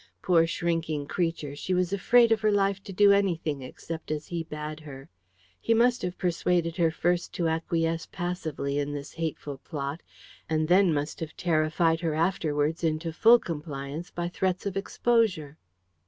Poor shrinking creature, she was afraid of her life to do anything except as he bade her. He must have persuaded her first to acquiesce passively in this hateful plot, and then must have terrified her afterwards into full compliance by threats of exposure."